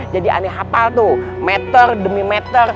jadi aneh hafal tuh meter demi meter